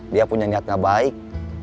dia punya niat gak baik